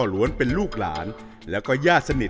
มีหลานชายคนหนึ่งเขาไปสื่อจากคำชโนธ